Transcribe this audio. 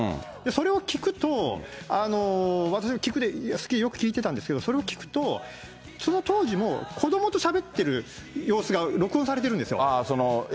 それを聴くと、私、好きでよく聴いてたんですけど、それを聴くと、その当時もう、子どもと一緒にしゃべってる様子が録音されてるんですよ。